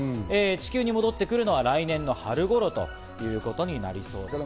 地球に戻ってくるのは来年の春頃ということになりそうです。